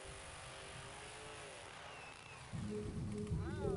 Estaba de pie sobre diamantes y otras piedras preciosas.